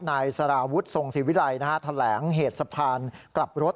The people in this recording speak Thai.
นายสารวุฒิทรงศิวิรัยแถลงเหตุสะพานกลับรถ